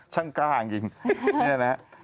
ช่างกล้างจริงนี่นะครับ